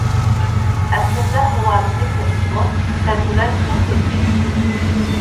ئەسلىمىلەر غۇۋالىشىپ كەتسىمۇ سەزگۈلەر شۇ پېتى.